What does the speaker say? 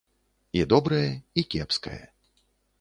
І добрае, і кепскае.